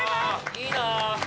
いいな。